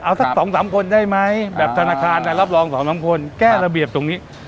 เอาสัก๒๓คนได้ไหมแบบธนาคารรับรอง๒๓คนแก้ระเบียบตรงนี้